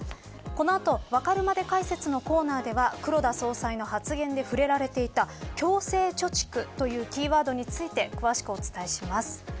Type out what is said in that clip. この後、わかるまで解説のコーナーでは黒田総裁の発言で触れられていた強制貯蓄というキーワードについて、詳しくお伝えします。